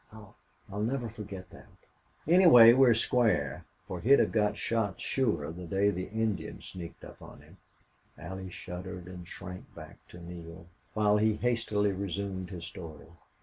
I I'll never forget that." "Anyway, we're square, for he'd have got shot sure the day the Indian sneaked up on him." Allie shuddered and shrank back to Neale, while he hastily resumed his story.